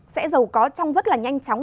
sẽ giàu có trong rất là nhanh chóng